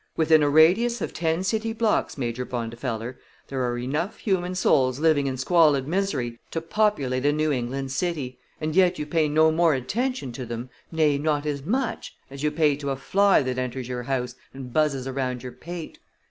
Within a radius of ten city blocks, Major Bondifeller, there are enough human souls living in squalid misery to populate a New England city, and yet you pay no more attention to them, nay, not as much, as you pay to a fly that enters your house and buzzes around your pate.